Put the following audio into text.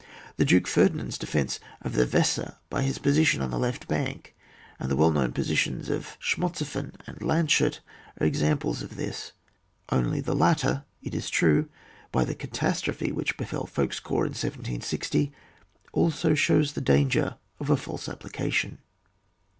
The Duke Ferdinand's defence of the Weser by his position on the left bank, and the well known positions of Schmotseifen and Landshut are examples of this ; only the latter, it is true, by the catastrophe which befell Fouque's corps in 1760, also shows the danger of a false application.